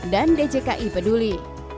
yang diperkenalkan oleh jki peduli